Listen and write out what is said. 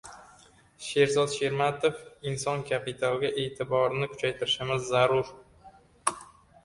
Sherzod Shermatov: «Inson kapitaliga e’tiborni kuchaytirishimiz zarur»